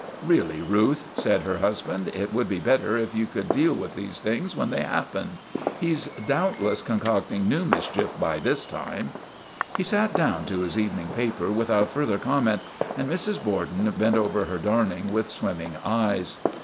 * Really, Ruth," said her husband, " it would be better if you could deal with these things when they happen. He 's doubtless concocting new mischief by this time." He sat down to his evening paper without further comment, and Mrs. Borden bent over her darning with swimming eyes.